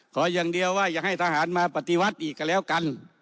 ขออย่างเดียวว่าอย่าให้ทหารมาปฏิวัติอีกก็แล้วกัน